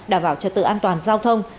đảm bảo trật tự an toàn giao thông